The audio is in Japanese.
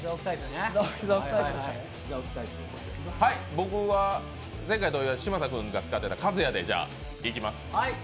僕は前回同様嶋佐君が使ってた一八を使います。